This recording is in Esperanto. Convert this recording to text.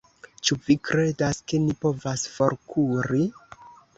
Ĉu vi kredas, ke ni povas forkuri?